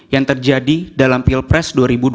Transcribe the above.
yang terjadi dalam pilpres dua ribu dua puluh